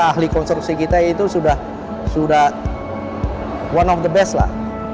ahli konstruksi kita itu sudah one of the best lah